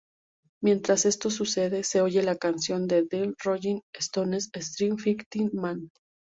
Mientras esto sucede, se oye la canción de The Rolling Stones, "Street Fighting Man".